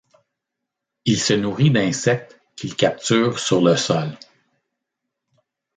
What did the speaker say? Il se nourrit d'insectes qu'il capture sur le sol.